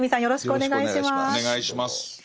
よろしくお願いします。